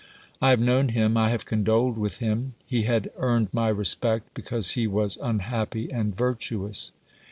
I have known him, I have condoled with him ; he had earned my respect because he was unhappy and virtuous.